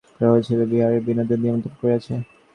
মহেন্দ্র বুঝিয়াছিল, বিহারীকে বিনোদিনীই নিমন্ত্রণ করাইয়াছে।